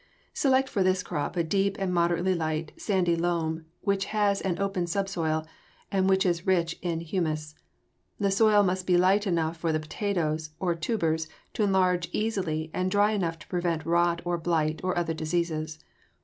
Select for this crop a deep and moderately light, sandy loam which has an open subsoil and which is rich in humus. The soil must be light enough for the potatoes, or tubers, to enlarge easily and dry enough to prevent rot or blight or other diseases.